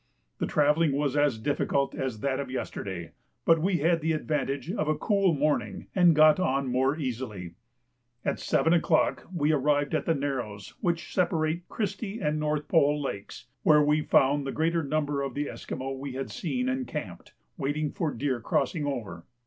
The travelling was as difficult as that of yesterday, but we had the advantage of a cool morning and got on more easily. At 7 o'clock we arrived at the narrows which separate Christie and North Pole Lakes, where we found the greater number of the Esquimaux we had seen, encamped, waiting for deer crossing over.